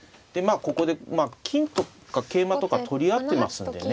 ここで金とか桂馬とか取り合ってますのでね